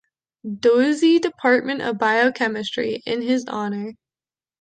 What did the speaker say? Doisy Department of Biochemistry, in his honor.